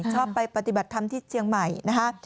ชอบไปปฏิบัติธรรมที่เชียงใหม่นะคะ